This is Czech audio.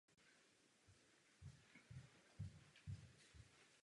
Jižně od vesnice zasahuje do katastrálního území nepatrná část přírodní památky Luna.